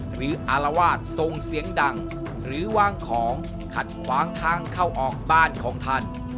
อารวาสส่งเสียงดังหรือวางของขัดขวางทางเข้าออกบ้านของท่าน